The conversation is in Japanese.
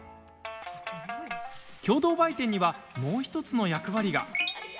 共同売店には、もう１つの役割が。